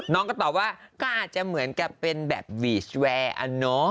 น้องก็ตอบว่าก็อาจจะเหมือนกับเป็นแบบวีชแวร์อะเนาะ